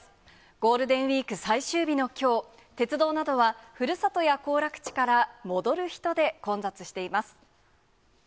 ゴールデンウィーク最終日のきょう、鉄道などはふるさとや行楽地から戻る人で混雑しています。